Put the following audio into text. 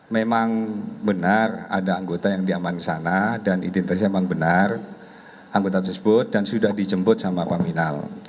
memang benar ada anggota yang diaman di sana dan identitasnya memang benar anggota tersebut dan sudah dijemput sama paminal